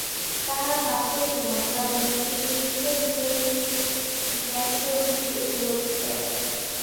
তাঁহার বাক্যই প্রমাণ, কারণ তিনি নিজের ভিতরেই জ্ঞানস্বরূপকে উপলব্ধি করেন।